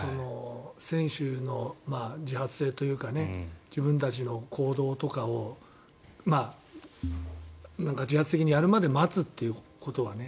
選手の自発性というか自分たちの行動とかを自発的にやるまで待つっていうことはね。